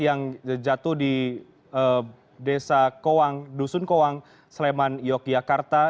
yang jatuh di desa kowang dusun kowang sleman yogyakarta